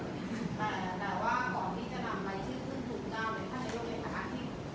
แต่ว่าก่อนที่จะนำใบชื่อขึ้นถูกกล้าวเนี่ยท่านนายยกจะถามที่